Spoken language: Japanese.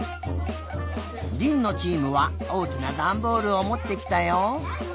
りんのチームはおおきなダンボールをもってきたよ。